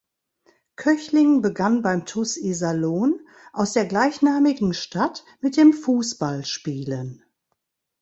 Köchling begann beim TuS Iserlohn aus der gleichnamigen Stadt mit dem Fußballspielen.